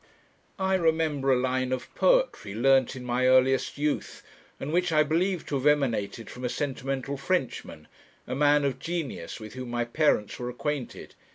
I remember a line of poetry, learnt in my earliest youth, and which I believe to have emanated from a sentimental Frenchman, a man of genius, with whom my parents were acquainted.